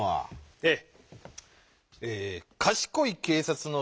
ええ。